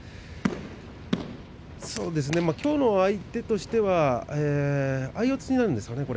きょうの相手としては相四つなんですよね。